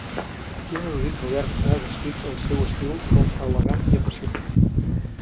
Un erudit modern ha descrit el seu estil com a elegant i apassionat.